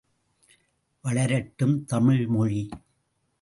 வளரட்டும் தமிழ் மொழி!